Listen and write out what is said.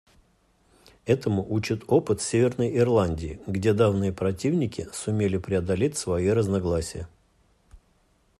Этому учит опыт Северной Ирландии, где давние противники сумели преодолеть свои разногласия.